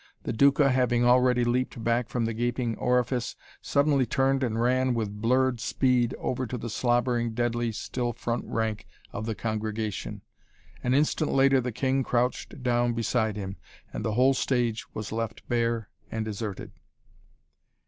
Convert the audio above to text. The Duca, having already leaped back from the gaping orifice, suddenly turned and ran with blurred speed over to the slobbering, deadly still front rank of the congregation. An instant later the king crouched down beside him, and the whole stage was left bare and deserted.